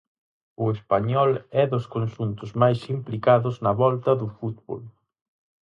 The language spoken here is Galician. O Español é dos conxuntos máis implicados na volta do fútbol.